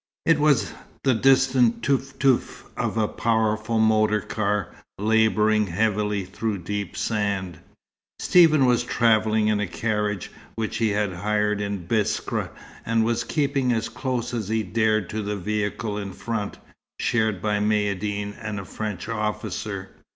It was the distant teuf teuf of a powerful motor car, labouring heavily through deep sand. Stephen was travelling in a carriage, which he had hired in Biskra, and was keeping as close as he dared to the vehicle in front, shared by Maïeddine and a French officer.